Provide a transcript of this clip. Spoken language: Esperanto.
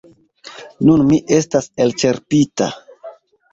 Nun mi estas elĉerpita.